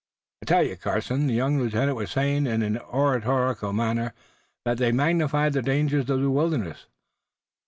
"I tell you, Carson," the young lieutenant was saying in an oratorical manner, "that they magnify the dangers of the wilderness.